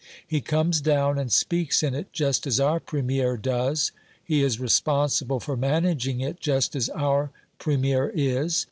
He comes down and speaks in it just as our Premier does; he is responsible for managing it just as our Premier is.